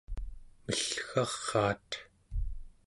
mellgaraat